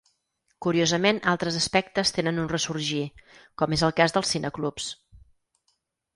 Curiosament altres aspectes tenen un ressorgir, com és el cas dels cineclubs.